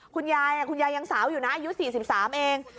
คุณยายยังสาวอยู่นะอายุ๔๓เอง